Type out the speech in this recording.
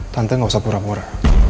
pantai gak usah pura pura